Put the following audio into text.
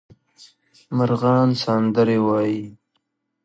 مرغان سندرې وايي